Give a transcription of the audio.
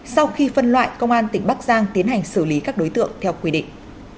sau khi phân loại công an tỉnh bắc giang tiến hành xử lý các đối tượng theo quy định